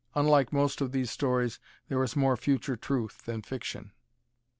Unlike most of these stories there is more future truth than fiction.